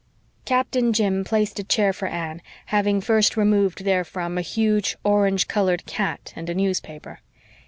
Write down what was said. Captain Jim placed a chair for Anne, having first removed therefrom a huge, orange colored cat and a newspaper.